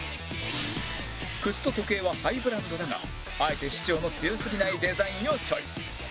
靴と時計はハイブランドだがあえて主張の強すぎないデザインをチョイス